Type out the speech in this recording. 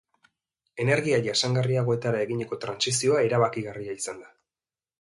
Energia jasangarriagoetara eginiko trantsizioa erabakigarria izan da.